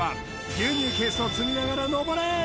牛乳ケースを積みながらのぼれ！